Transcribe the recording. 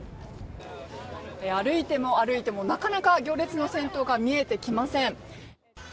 歩いても歩いてもなかなか行列の先頭が見えてきません。